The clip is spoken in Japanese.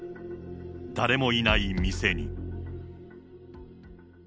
誰もいない店に。